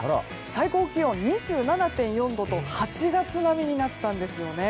最高気温２７．４度と８月並みになったんですね。